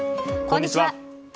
こんにちは。